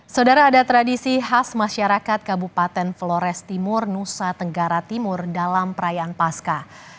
saudara ada tradisi khas masyarakat kabupaten flores timur nusa tenggara timur dalam perayaan pasca